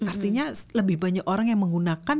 artinya lebih banyak orang yang menggunakan